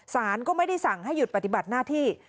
สารก็ไม่ได้สั่งให้หยุดปฏิบัติหน้าที่